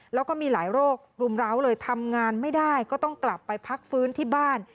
แล้วก็มีหลายโรครุมร้าวเลยทำงานไม่ได้ก็ต้องกลับไปพักฟื้นที่บ้าน